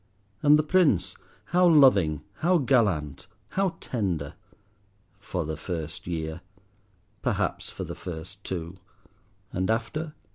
And the Prince! how loving, how gallant, how tender—for the first year, perhaps for the first two. And after?